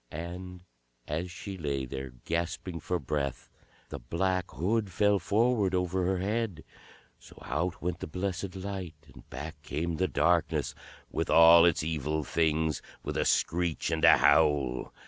And as she lay there, gasping for breath, the black hood fell forward over her head. So out went the blessed light and back came the darkness, with all its Evil Things, with a screech and a howl.